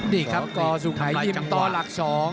นี่ครับกสุขายิ่มตหลัก๒